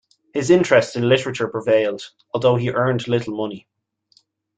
His interest in literature prevailed, although he earned little money.